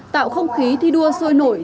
tạo không khí thi đua sôi nổi